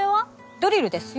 ドリルですよ。